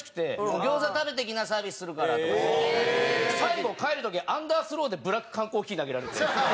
「餃子、食べてきなサービスするから」とか。最後、帰る時アンダースローでブラック缶コーヒー投げられて。